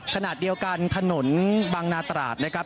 ขณะเดียวกันถนนบางนาตราดนะครับ